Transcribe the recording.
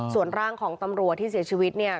ส่วนร่างของตำรวจที่เสียชีวิตเนี่ย